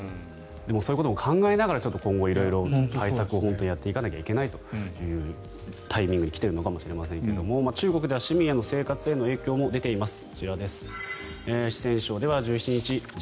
でも、そういうことも考えながら今後は対策を本当にやっていかなきゃいけないというタイミングに来ているのかもしれませんが中国では市民の生活への影響も出ています。